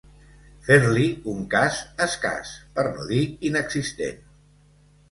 Fer-li un cas escàs, per no dir inexistent.